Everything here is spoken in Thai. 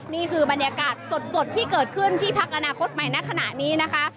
นี่คือบรรยากาศสดที่เกิดขึ้นที่พักอนาคตใหม่ณขณะนี้นะคะ